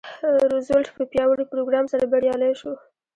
روزولټ په پیاوړي پروګرام سره بریالی شو.